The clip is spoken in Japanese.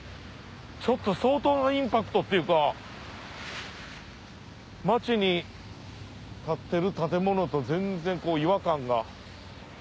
ちょっと相当なインパクトっていうか町に立ってる建物と全然違和感が。